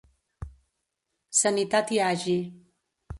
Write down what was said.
Sanitat hi hagi.